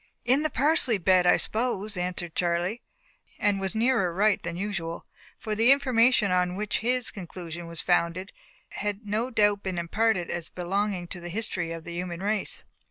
"In the parsley bed, I suppose," answered Charlie, and was nearer right than usual, for the information on which his conclusion was founded had no doubt been imparted as belonging to the history of the human race.